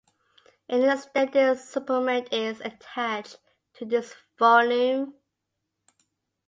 An extended supplement is attached to this volume.